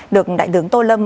được đại đứng tô lâm